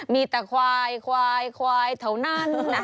มีแต่ควายควายควายเท่านั้นนะคะ